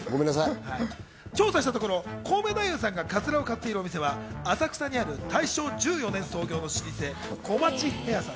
調査したところ、コウメ太夫さんがカツラを買っているお店は浅草にある大正１０年創業の老舗、コマチヘアさん。